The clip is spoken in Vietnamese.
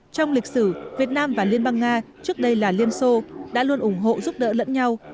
trong lịch sử việt nam và liên bang nga trước đây là liên xô đã luôn ủng hộ giúp đỡ lẫn nhau